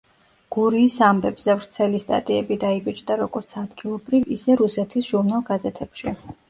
გურიის ამბებზე ვრცელი სტატიები დაიბეჭდა როგორც ადგილობრივ, ისე რუსეთის ჟურნალ-გაზეთებში.